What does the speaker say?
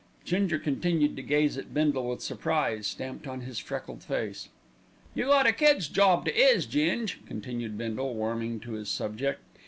Ginger continued to gaze at Bindle with surprise stamped on his freckled face. "You got a kid's job to 'is, Ging," continued Bindle, warming to his subject.